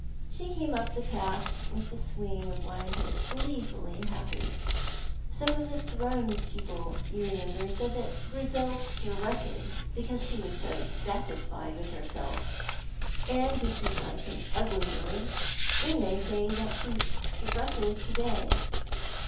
She came up the path with the swing of one who was gleefully happy. Some of the Thrums people, you remember, said that Grizel strutted because she was so satisfied with herself, and if you like an ugly word, we may say that she strutted to day.